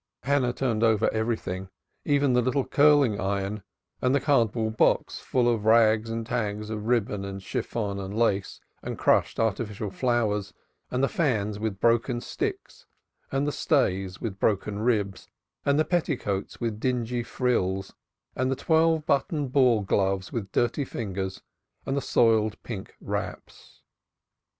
Hannah turned over everything even the little curling iron, and the cardboard box full of tags and rags of ribbon and chiffon and lace and crushed artificial flowers, and the fans with broken sticks and the stays with broken ribs, and the petticoats with dingy frills and the twelve button ball gloves with dirty fingers, and the soiled pink wraps.